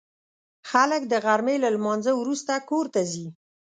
خلک د غرمې له لمانځه وروسته کور ته ځي